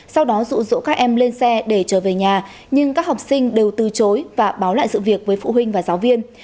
sau đó rụ rỗ các em lên xe để trở về nhà nhưng các học sinh đều từ chối và báo lại sự việc với phụ huynh và giáo viên